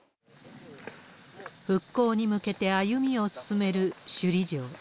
復興に向けて歩みを進める首里城。